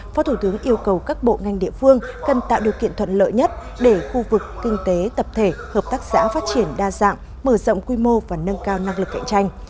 phó thủ tướng yêu cầu các bộ ngành địa phương cần tạo điều kiện thuận lợi nhất để khu vực kinh tế tập thể hợp tác xã phát triển đa dạng mở rộng quy mô và nâng cao năng lực cạnh tranh